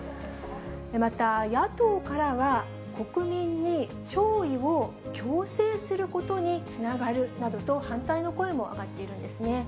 また、野党からは、国民に弔意を強制することにつながるなどと反対の声も上がっているんですね。